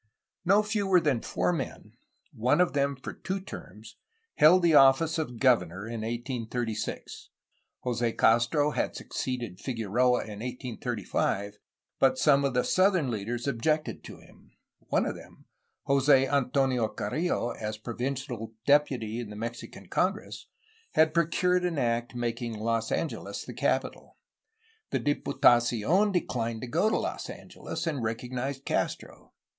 No fewer than four men, one of them for two terms, held the office of governor in 1836. Jose Castro had succeeded Figueroa in 1835, but some of the southern leaders objected to him. One of them, Jose Antonio Carrillo, as provincial deputy in the Mexican congress, had procured an act making Los Angeles the capital. The Diputacion declined to go to Los Angeles, and recognized Castro.